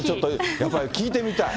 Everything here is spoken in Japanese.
やっぱり聞いてみたい。